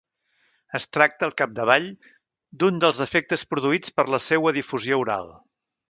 Es tracta, al capdavall, d’un dels efectes produïts per la seua difusió oral.